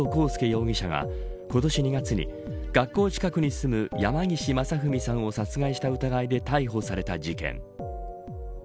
容疑者が今年２月に学校近くに住む山岸正文さんを殺害した疑いで逮捕された事件。